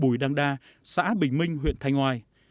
bùi đăng đa xã bình minh huyện thanh oai